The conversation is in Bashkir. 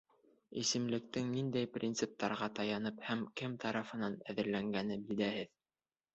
Исемлектең ниндәй принциптарға таянып һәм кем тарафынан әҙерләнгәне билдәһеҙ.